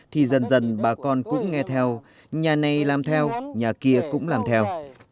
thì dần dần bà con cũng nghe theo nhà này làm theo nhà kia cũng làm theo